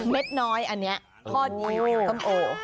เม็ดน้อยอันนี้ทอดยิ้วต้มโอ้